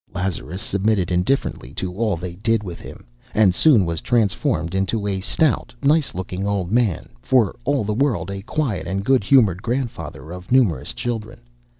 Lazarus submitted indifferently to all they did with him, and soon was transformed into a stout, nice looking old man, for all the world a quiet and good humoured grandfather of numerous grandchildren.